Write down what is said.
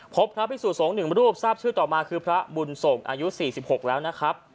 พบพระพิสุสงฆ์๑รูปทราบชื่อต่อมาคือพระบุญส่งอายุ๔๖แล้วนะครับ